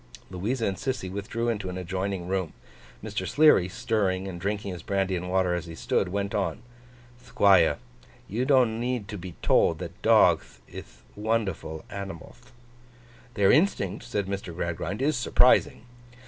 Louisa and Sissy withdrew into an adjoining room; Mr. Sleary, stirring and drinking his brandy and water as he stood, went on: 'Thquire,—you don't need to be told that dogth ith wonderful animalth.' 'Their instinct,' said Mr. Gradgrind, 'is surprising.